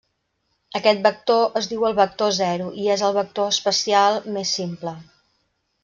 Aquest vector es diu el vector zero i és el vector espacial més simple.